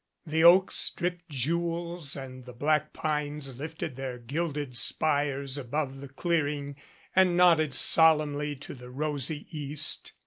The oaks dripped jewels and the black pines lifted their gilded spires above the clearing and nodded solemnly to the rosy East.